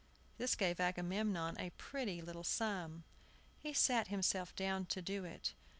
This gave Agamemnon a pretty little sum. He sat himself down to do it.